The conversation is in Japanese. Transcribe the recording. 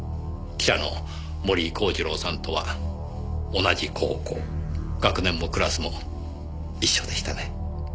記者の森井孝次郎さんとは同じ高校学年もクラスも一緒でしたね。